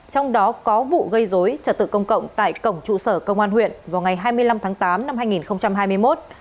trong đó có vụ gây dối trật tự công cộng tại cổng trụ sở công an huyện vào ngày hai mươi năm tháng tám năm hai nghìn hai mươi một